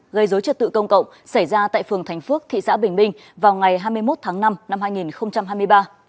gây dối trật tự công cộng xảy ra tại phường thành phước thị xã bình minh vào ngày hai mươi một tháng năm năm hai nghìn hai mươi ba